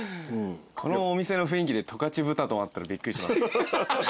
このお店の雰囲気で十勝豚丼あったらびっくりします。